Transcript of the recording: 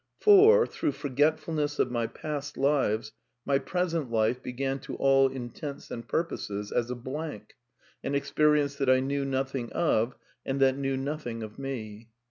For, through forgetfulness of my past lives, my present life began to all intents and purposes as a blank, an expe rience that I knew nothing of, and that knew nothing of me.